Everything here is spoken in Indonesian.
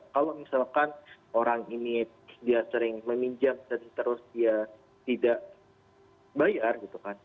kalau misalkan orang ini dia sering meminjam dan terus dia tidak bayar gitu kan